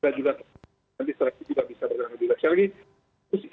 dan juga nanti seleksi juga bisa bergerak lebih langsung